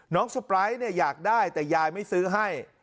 น้องสปรไลด์เนี่ยอยากได้แต่ยายไม่ซื้อให้